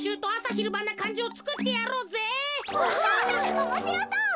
おもしろそう！